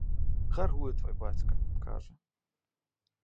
Гаруе твой бацька, кажа.